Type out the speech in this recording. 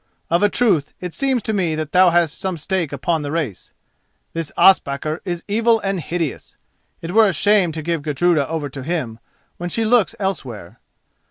Of a truth it seems to me that thou hast some stake upon the race. This Ospakar is evil and hideous. It were a shame to give Gudruda over to him when she looks elsewhere.